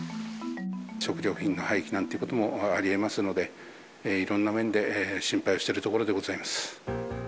食料品の廃棄なんてこともありえますので、いろんな面で心配をしているところでございます。